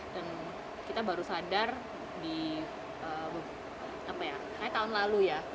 dan kita baru sadar di tahun lalu ya